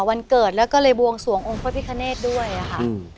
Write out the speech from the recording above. วันเกิดแล้วก็เลยบวงสวงองค์พระพิคเนธด้วยค่ะ